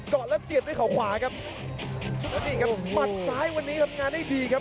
เกาะแล้วเสียบด้วยเขาขวาครับชุดนั้นนี่ครับหมัดซ้ายวันนี้ทำงานได้ดีครับ